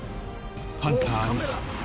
ハンターアリス